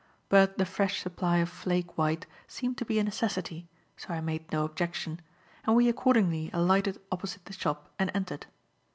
But the fresh supply of flake white seemed to be a necessity, so I made no objection, and we accordingly alighted opposite the shop and entered.